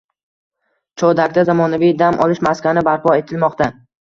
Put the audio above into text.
Chodakda zamonaviy dam olish maskani barpo etilmoqda